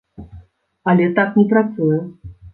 Але так не працуе.